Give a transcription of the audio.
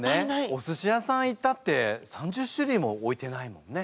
おすし屋さん行ったって３０種類も置いてないもんね。